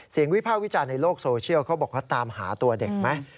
วิภาควิจารณ์ในโลกโซเชียลเขาบอกว่าตามหาตัวเด็กไหม